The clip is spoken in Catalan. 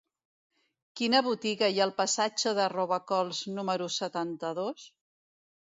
Quina botiga hi ha al passatge de Robacols número setanta-dos?